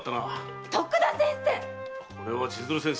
これは千鶴先生。